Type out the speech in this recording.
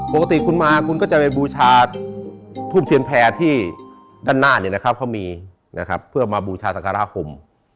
ปกติคุณมาคุณก็จะบูชาทุ่มเถียนแพร่ที่ด้านหน้าเขามีเพื่อมาบูชาสังฆราหคม